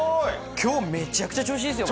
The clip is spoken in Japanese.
きょうめちゃくちゃ調子いいですよ。